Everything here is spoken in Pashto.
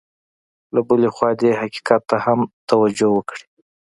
له بلې خوا دې حقیقت ته هم توجه وکړي.